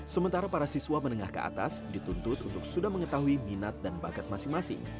sementara para siswa menengah ke atas dituntut untuk sudah mengetahui minat dan bakat masing masing